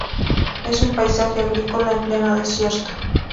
Es un paisaje agrícola en pleno desierto.